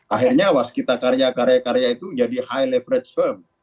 akhirnya waskita karya karya karya itu jadi high leverage firm